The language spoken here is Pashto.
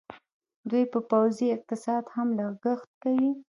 دوی په پوځي اقتصاد هم لګښت کوي.